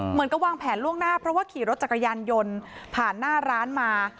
เหมือนกับวางแผนล่วงหน้าเพราะว่าขี่รถจักรยานยนต์ผ่านหน้าร้านมา